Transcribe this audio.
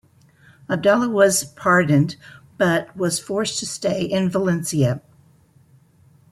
Abdallah was pardoned, but was forced to stay in Valencia.